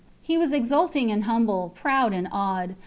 He was exulting and humble, proud and awed.